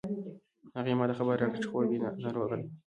هغې ما ته خبر راکړ چې خور می ناروغه ده